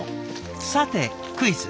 さてクイズ。